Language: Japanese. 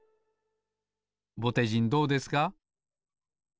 ぼてじんどうですか？